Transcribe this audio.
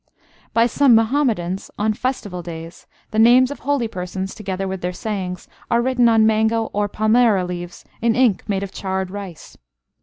By some Muhammadans, on festival days, the names of holy persons, together with their sayings, are written on mango or palmyra leaves in ink made of charred rice.